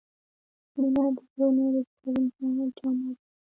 • مینه د زړونو د تړون جامه ده.